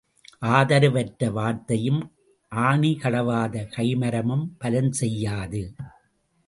ஆதரவு அற்ற வார்த்தையும் ஆணி கடவாத கை மரமும் பலன் செய்யாது.